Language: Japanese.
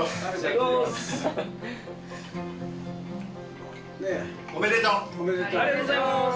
ありがとうございます。